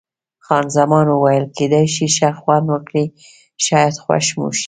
خان زمان وویل: کېدای شي ښه خوند وکړي، شاید خوښ مو شي.